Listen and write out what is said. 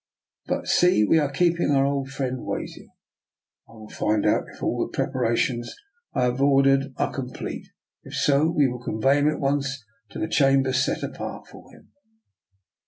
But see, we are keeping our old friend waiting. I will find out if all the preparations I have ordered are complete; if so, we will convey him at once to the chamber set apart for him."